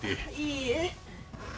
いいえ。